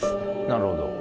なるほど。